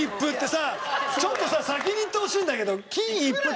ちょっとさ先に言ってほしいんだけど。